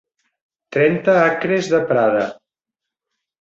Trenta acres de prada.